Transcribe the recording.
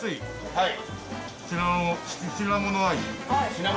はい。